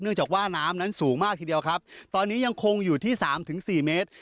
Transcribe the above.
จากว่าน้ำนั้นสูงมากทีเดียวครับตอนนี้ยังคงอยู่ที่สามถึงสี่เมตร